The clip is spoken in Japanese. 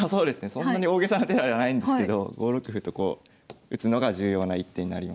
そんなに大げさな手ではないんですけど５六歩とこう打つのが重要な一手になります。